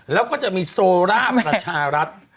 แล้วก็จะมีโซล่าประชารัฐ